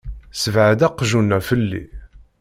Ssebɛed aqjun-a felli!